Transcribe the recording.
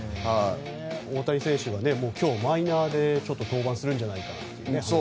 大谷選手は今日マイナーで登板するんじゃないかと。